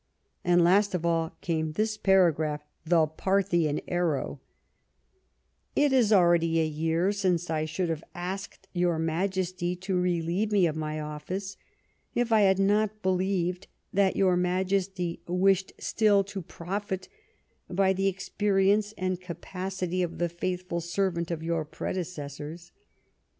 And last of all came this paragraph, the Parthian arrow : "It is already a year since I should have asked your Majesty to relieve me of my olhce, if I had not believed that your Majesty wished still to profit by the experience and capacity of the faithful servant of your predecessors.